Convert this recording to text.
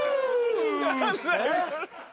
えっ？